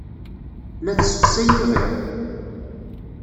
La tessefsay iɣir.